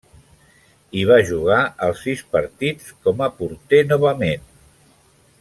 Hi va jugar els sis partits, com a porter novament.